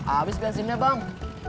abis bensinnya bang